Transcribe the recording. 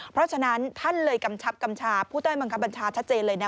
เพราะฉะนั้นท่านเลยกำชับกำชาผู้ใต้บังคับบัญชาชัดเจนเลยนะ